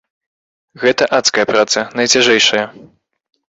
Гэта адская праца, найцяжэйшая!